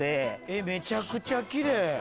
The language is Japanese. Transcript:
えっめちゃくちゃきれい。